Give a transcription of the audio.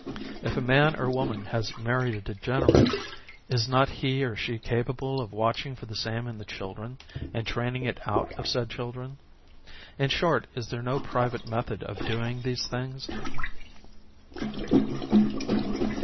If a man or woman has married a degenerate, is not he or she capable! of watching for the same in the children and training it out of said children? In short, is there no private i method of doing these things?